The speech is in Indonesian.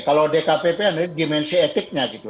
kalau dkpp ada dimensi etiknya gitu